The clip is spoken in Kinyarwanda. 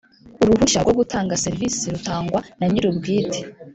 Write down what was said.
uruhushya rwo gutanga serivisi rutangwa nanyirubwite.